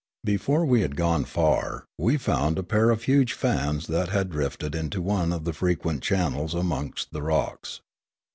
Before we had gone far, we found a pair of huge fans that had drifted into one of the frequent channels amongst the rocks.